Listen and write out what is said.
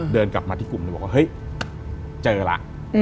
เดินกลับมาที่กลุ่มเลยบอกว่าเฮ้ยเจอล่ะ